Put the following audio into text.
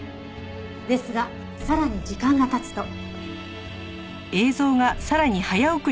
ですがさらに時間が経つと。